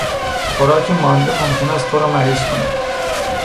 خوراک مانده ممکن است تو را مریض کند.